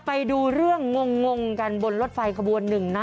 ไปดูเรื่องงงกันบนรถไฟขบวนหนึ่งนะ